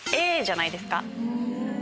Ａじゃないですか？